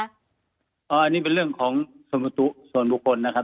อันนี้เป็นเรื่องของส่วนบุคคลนะครับ